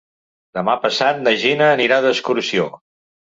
Demà passat na Gina anirà d'excursió.